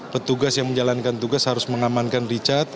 petugas yang menjalankan tugas harus mengambil foto